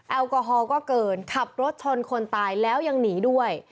แอลกอฮอลก็เกินขับรถชนคนตายแล้วยังหนีด้วย